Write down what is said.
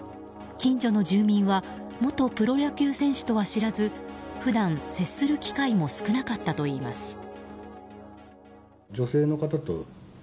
近所の住民は元プロ野球選手とは知らず普段、接する機会も少なかったといいます。